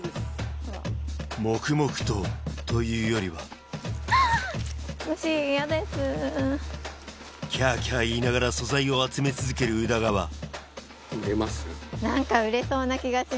黙々とというよりはキャキャ言いながら素材を集め続ける宇田川売れます？